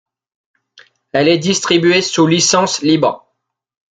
Elle est distribuée sous licence libre.